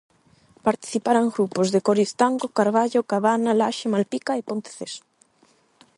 Participarán grupos de Coristanco, Carballo, Cabana, Laxe, Malpica e Ponteceso.